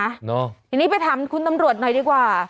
ทีนี้ไปถามคุณตำรวจหน่อยดีกว่า